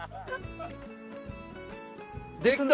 できた！